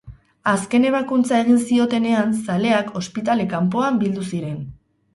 Azken ebakuntza egin ziotenean, zaleak ospitale kanpoan bildu ziren.